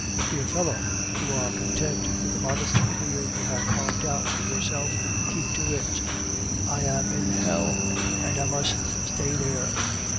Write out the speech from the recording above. "Dear fellow, you are content with the modest career you have marked out for yourself; keep to it. I am in hell, and I must stay there.